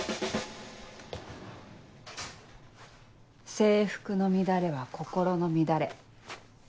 制服の乱れは心の乱れ。